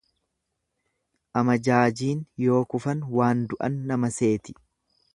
Amajaajiin yoo kufan waan du'an nama seeti.